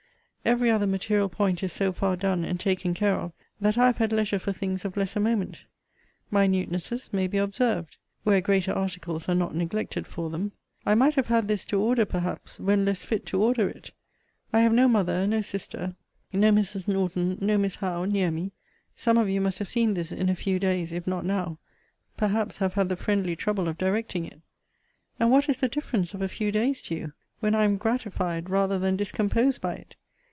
Every other material point is so far done, and taken care of, that I have had leisure for things of lesser moment. Minutenesses may be observed, where greater articles are not neglected for them. I might have had this to order, perhaps, when less fit to order it. I have no mother, no sister, no Mrs. Norton, no Miss Howe, near me. Some of you must have seen this in a few days, if not now; perhaps have had the friendly trouble of directing it. And what is the difference of a few days to you, when I am gratified rather than discomposed by it?